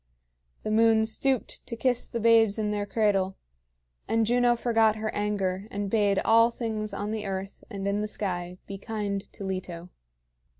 The moon stooped to kiss the babes in their cradle; and Juno forgot her anger, and bade all things on the earth and in the sky be kind to Leto.